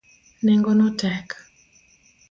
Nengo no tek.